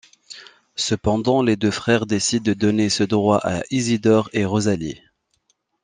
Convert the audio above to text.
Cependant, les deux frères décident de donner ce droit à Isidore et Rosalie.